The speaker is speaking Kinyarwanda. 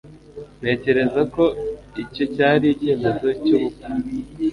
Ntekereza ko icyo cyari icyemezo cyubupfu